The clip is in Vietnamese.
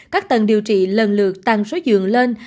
các tầng điều trị lần lượt tăng số giường lên